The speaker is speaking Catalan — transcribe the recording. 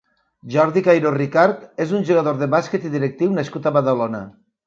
Jordi Cairó Ricart és un jugador de bàsquet i directiu nascut a Badalona.